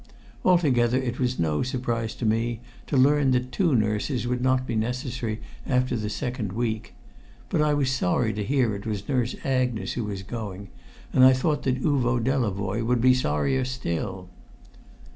Altogether it was no surprise to me to learn that two nurses would not be necessary after the second week; but I was sorry to hear it was Nurse Agnes who was going, and I thought that Uvo Delavoye would be sorrier still.